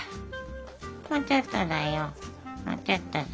もうちょっとだよもうちょっとだよ。